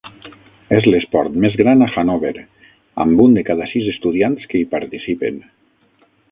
És l'esport més gran a Hannover, amb un de cada sis estudiants que hi participen.